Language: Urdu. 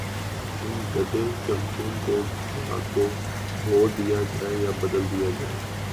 ان گدے چمچوں کو یا تو دھو دیجئے یا بدل دیجئے